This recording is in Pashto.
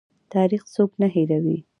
تاریخ څوک نه هیروي؟